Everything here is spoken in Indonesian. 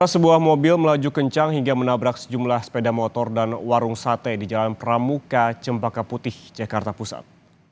sebuah mobil melaju kencang hingga menabrak sejumlah sepeda motor dan warung sate di jalan pramuka cempaka putih jakarta pusat